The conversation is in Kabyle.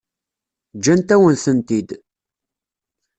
Ǧǧant-awen-tent-id.